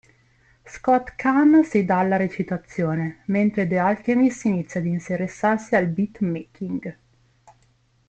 Scott Caan si dà alla recitazione, mentre The Alchemist inizia ad interessarsi al beat-making.